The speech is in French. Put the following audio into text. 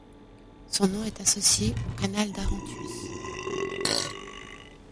Son nom est associé au canal d'Arantius.